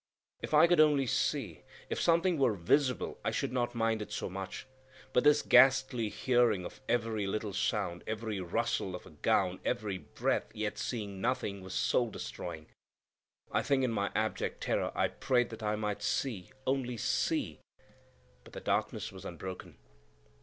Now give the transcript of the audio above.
If I could only see! If something were visible, I should not mind it so much; but this ghastly hearing of every little sound, every rustle of a gown, every breath, yet seeing nothing, was soul destroying. I think in my abject terror I prayed that I might see, only see; but the darkness was unbroken.